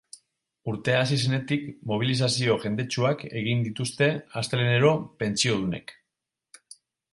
Urtea hasi zenetik mobilizazio jendetsuak egin dituzte astelehenero pentsiodunek.